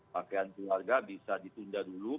pakaian keluarga bisa ditunda dulu